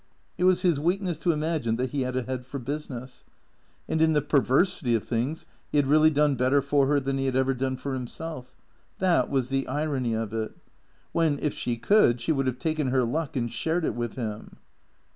It was his weakness to imagine that he had a head for business. And in the perversity of things he had really done better for her than he had ever done for himself. That was the irony of it; when, if she could, she would have taken her luck and shared it with him.